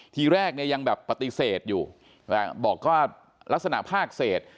ทีแรกเนี่ยยังแบบปฏิเสธอยู่บอกว่าลักษณะภาคเศษ